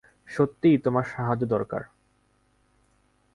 সত্যিই তোমার সাহায্য দরকার।